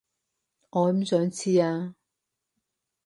我唔想遲啊